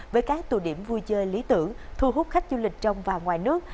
với các tù điểm vui chơi lý tưởng thu hút khách du lịch trong và ngoài nước